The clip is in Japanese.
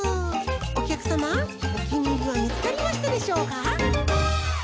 おきゃくさまおきにいりはみつかりましたでしょうか？